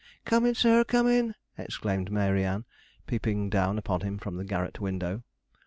'Comin', sir! comin'!' exclaimed Mary Ann, peeping down upon him from the garret window.